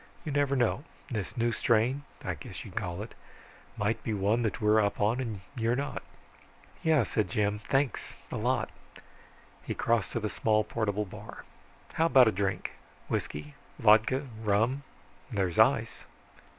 You never know, this new strain I guess you'd call it might be one that we're up on and you aren't." "Yeah," Jim said. "Thanks a lot." He crossed to the small portable bar. "How about a drink? Whisky, vodka, rum there's ice."